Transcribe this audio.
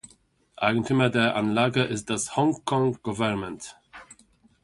Eigentümer der Anlage ist das "Hong Kong Government".